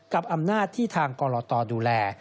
กับอำนาจที่ทางกรตดูแล